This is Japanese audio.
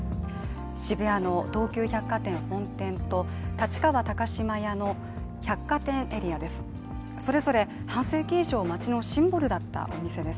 渋谷の東急百貨店本店と立川高島屋の百貨店エリアです。